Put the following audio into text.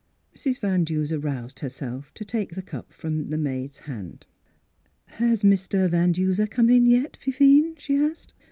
Mrs. Van Duser roused herself to take the cup from the maid's hand. " Has Mr. Van Duser come in yet, Fi fine?" she asked.